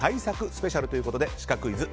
スペシャルということでシカクイズ